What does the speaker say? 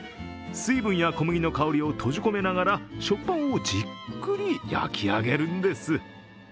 水分や小麦の香りを閉じ込めながら、食パンをじっくり焼き上げるんです。